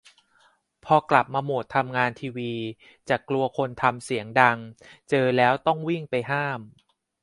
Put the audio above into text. พอกลับมาโหมดทำงานทีวีจะกลัวคนทำเสียงดัง เจอแล้วต้องวิ่งไปห้าม